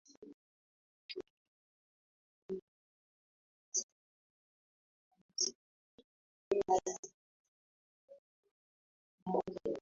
Biblia lakini pia elimu kwa jumla Falsafa ilikuwa muhimu katika mawazo